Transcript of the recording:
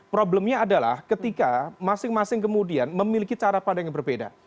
problemnya adalah ketika masing masing kemudian memiliki cara pandang yang berbeda